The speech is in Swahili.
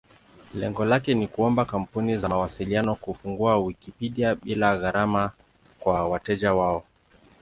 Lengo lake ni kuomba kampuni za mawasiliano kufungua Wikipedia bila gharama kwa wateja wao.